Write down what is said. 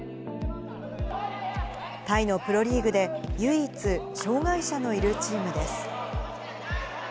タイのプロリーグで、唯一障がい者のいるチームです。